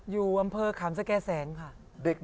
อยู่อำเภอขามสแก่แสงค่ะ